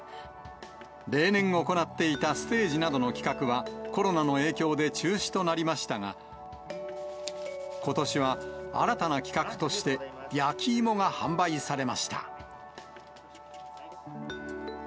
例年行っていたステージなどの企画は、コロナの影響で中止となりましたが、ことしは新たな企画として、焼き芋が販売されました。